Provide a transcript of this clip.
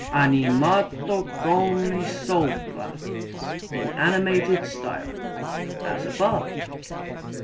Animato come sopra in animated style as above.